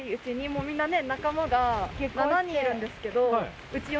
もうみんなね。